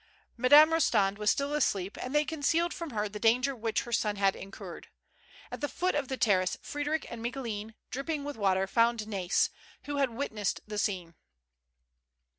Madame Kostand was still asleep, and they concealed from her the danger which her son had incurred. At the foot of the terrace, Frederic and Micoulin, dripping with water, found Hai's, who had witnessed the scene.